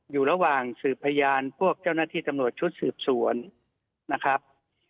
อยู่ระหว่างสืบพยานพวกเจ้าหน้าที่ตำรวจชุดสืบสวนนะครับ